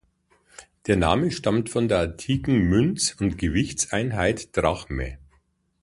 Der Name stammt von der antiken Münz- und Gewichtseinheit "Drachme.